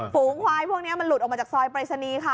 ฝูงควายพวกนี้มันหลุดออกมาจากซอยปรายศนีย์ค่ะ